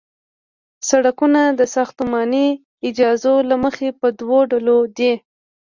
سرکونه د ساختماني اجزاوو له مخې په دوه ډلو دي